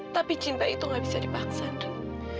tapi cinta itu gak bisa dipaksa neri